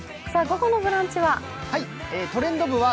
午後の「ブランチ」は？